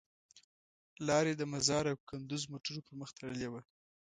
لار یې د مزار او کندوز موټرو پر مخ تړلې وه.